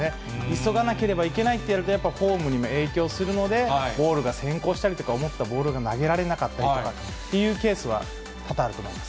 急がなければいけないとなると、フォームにも影響するので、ボールが先行したりとか、思ったボールが投げられなかったりとかっていうケースは多々あると思います。